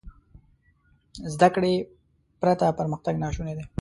زده کړې پرته پرمختګ ناشونی دی.